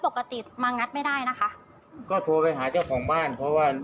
อยู่ดีมางัดกันแบบนี้ได้ด้วยเหรอคะไปดูคลิปกันหน่อยนะคะ